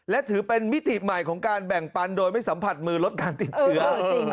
และถือเป็นมิติใหม่ของการแบ่งปันโดยไม่สัมผัสมือลดการติดเชื้อ